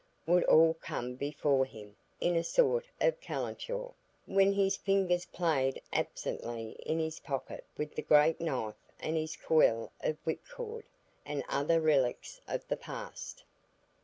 would all come before him in a sort of calenture, when his fingers played absently in his pocket with his great knife and his coil of whipcord, and other relics of the past.